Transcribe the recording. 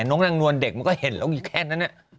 นกนางนวลเด็กก็เห็นแล้วอีกแค่นั่นน่ะ